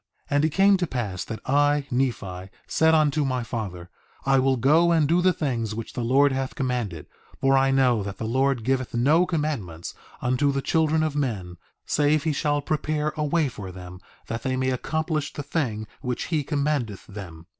3:7 And it came to pass that I, Nephi, said unto my father: I will go and do the things which the Lord hath commanded, for I know that the Lord giveth no commandments unto the children of men, save he shall prepare a way for them that they may accomplish the thing which he commandeth them.